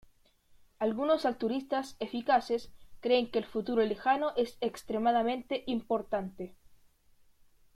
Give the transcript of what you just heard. Algunos altruistas eficaces creen que el futuro lejano es extremadamente importante.